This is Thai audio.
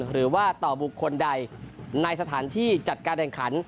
หรือว่าต่อบุคคลใดในสถานที่จัดการแข่งขัน